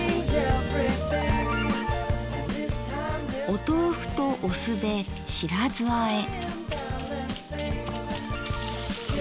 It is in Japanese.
お豆腐とお酢で「白酢あえ」。